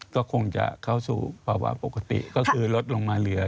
ก็คงจะเข้าสู่ภาวะปกติก็คือลดลงมาเหลือ